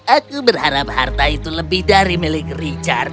aku berharap harta itu lebih dari milik richard